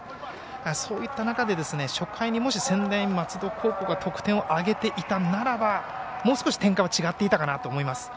そういった中で初回にもし、専大松戸高校が得点を挙げていたならばもう少し展開は違っていたかなと思います。